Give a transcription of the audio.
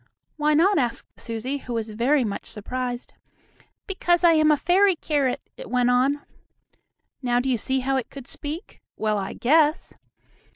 "Why not?" asked Susie, who was very much surprised. "Because I am a fairy carrot," it went on. Now do you see how it could speak? Well, I guess!